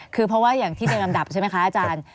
คือเพราะว่าอย่างที่เรียนลำดับใช่ไหมคะอาจารย์